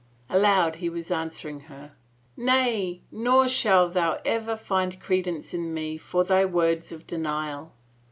Aloud, he was answering her, " Nay, nor shalt thou ever find credence in me for thy words of denial."